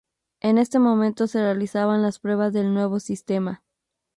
En este momento se realizaban las pruebas del nuevo sistema.